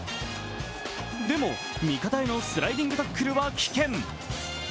でも、味方へのスライディングタックルは危険。